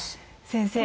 先生。